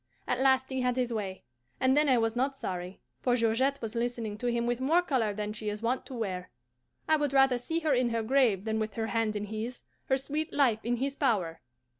At last he had his way, and then I was not sorry; for Georgette was listening to him with more colour than she is wont to wear. I would rather see her in her grave than with her hand in his, her sweet life in his power.